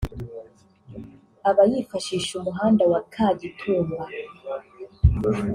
aba yifashisha umuhanda wa Kagitumba